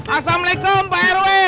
assalamualaikum pak rw